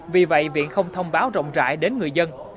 vì vậy viện không thông báo rộng rãi đến người dân